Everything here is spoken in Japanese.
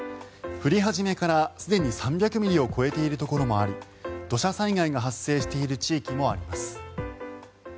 降り始めからすでに３００ミリを超えているところもあり土砂災害が発生している地域もあります。